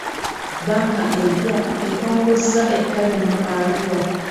Bbanka empya etongozza ettabi mu Arua .